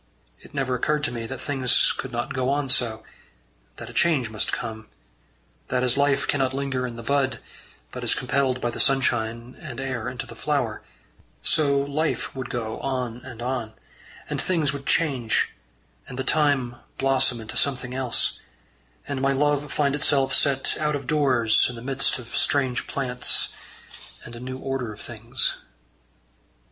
It never occurred to me that things could not go on so; that a change must come; that as life cannot linger in the bud, but is compelled by the sunshine and air into the flower, so life would go on and on, and things would change, and the time blossom into something else, and my love find itself set out of doors in the midst of strange plants and a new order of things.